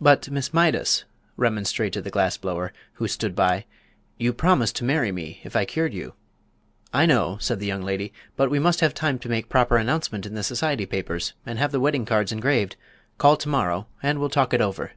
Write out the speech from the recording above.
"But, Miss Mydas," remonstrated the glass blower, who stood by, "you promised to marry me if I cured you." "I know," said the young lady, "but we must have time to make proper announcement in the society papers and have the wedding cards engraved. Call to morrow and we'll talk it over."